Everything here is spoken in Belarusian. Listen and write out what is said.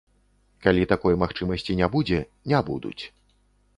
Калі такой магчымасці не будзе, не будуць.